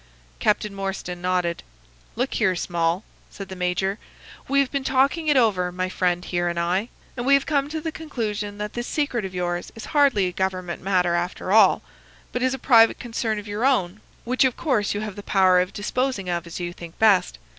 "Captain Morstan nodded. "'Look here, Small,' said the major. 'We have been talking it over, my friend here and I, and we have come to the conclusion that this secret of yours is hardly a government matter, after all, but is a private concern of your own, which of course you have the power of disposing of as you think best.